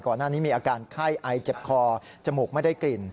ก่อนหน้านี้มีอาการไข้ไอเจ็บคอจมูกไม่ได้กลิ่น